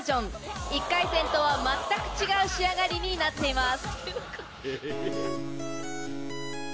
１回戦とは全く違う仕上がりになっています。